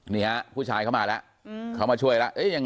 นี่ฮะผู้ชายเข้ามาแล้วเขามาช่วยแล้ว